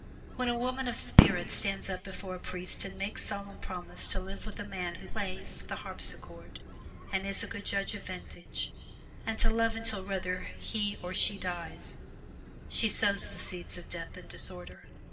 When a woman of spirit stands up before a priest and makes solemn promise to live with a man who plays the harpsichord and is a good judge of vintage, and to love until either he or she dies, she sows the seeds of death and disorder.